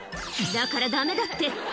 「だからダメだって」